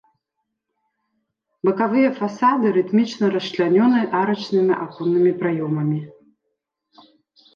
Бакавыя фасады рытмічна расчлянёны арачнымі аконнымі праёмамі.